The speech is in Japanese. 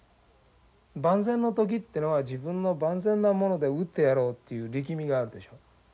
万全の時っていうのは自分の万全なもので打ってやろうっていう力みがあるでしょ。